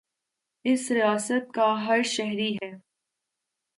اس ریاست کا ہر شہری ہے